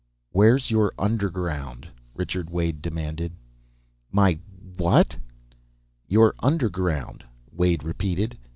"Where's your Underground?" Richard Wade demanded. "My what?" "Your Underground," Wade repeated.